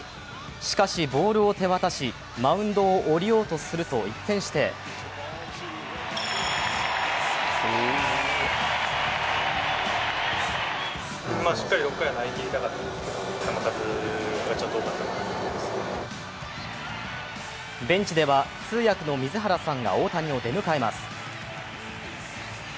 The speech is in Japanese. しかしボールを手渡しマウンドを降りようとすると一転してベンチでは通訳の水原さんが大谷を出迎えます。